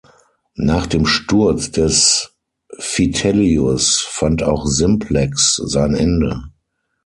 Nach dem Sturz des Vitellius fand auch Simplex sein Ende.